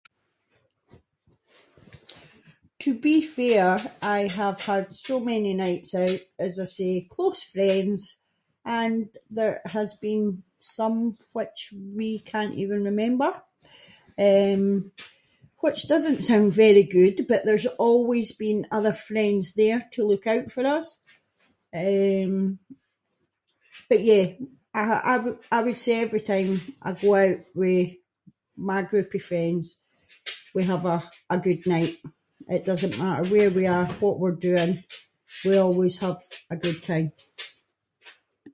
To be fair, I have had so many nights out, as I say, close friends, and there has been some which we can’t even remember, eh, which doesn’t sound very good, but there’s always been other friends there to look out for us, eh, but yeah, I wou- I would say that every time I go out with my group of friends we have a- a good night, it doesn’t matter where we are, what we’re doing, we always have a good time.